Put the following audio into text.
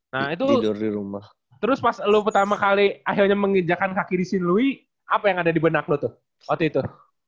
nah itu tidur di rumah terus pas lo pertama kali akhirnya menginjakan kaki di shin louis apa yang ada di benak lo tuh waktu itu